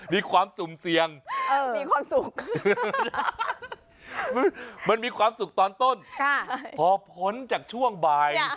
มีความสุ่มเสี่ยงมีความสุขมันมีความสุขตอนต้นพอพ้นจากช่วงบ่าย